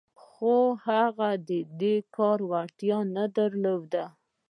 خو هغه د دې کار وړتيا نه درلوده.